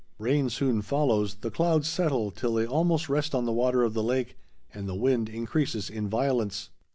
Rain soon follows, the clouds settle till they almost rest on the water of the lake, and the wind increases in violence.